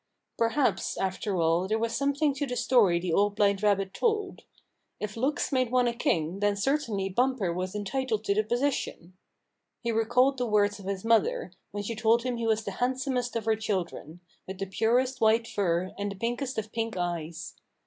Perhaps, after all, there was something to the story the Old Blind Rabbit told. If looks made one a king then certainly Bumper was entitled to the position. He recalled the words of his mother, when she told him he was the handsomest of her children, with the purest white fur and the pinkest of pink eyes.